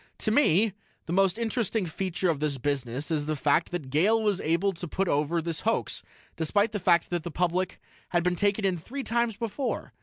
"To me, the most interesting feature of this business is the fact that Gale was able to put over this hoax, despite the fact that the public had been taken in three times before.